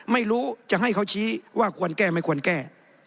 ไม่รู้จะให้เขาชี้ว่าควรแก้ไม่ควรแก้